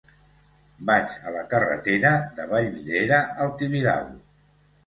Vaig a la carretera de Vallvidrera al Tibidabo.